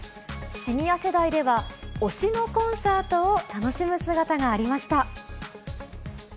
シニア世代では、推しのコンサートを楽しむ姿がありました。